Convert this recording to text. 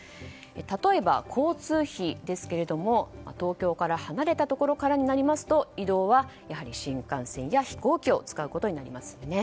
例えば交通費ですけれども東京から離れたところからになりますと移動は新幹線や飛行機を使うことになりますね。